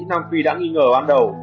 nam quỳ đã nghi ngờ ban đầu